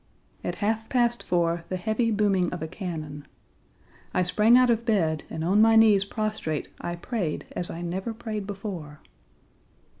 At half past four the heavy booming of a cannon. I sprang out of bed, and on my knees prostrate I prayed as I never prayed before.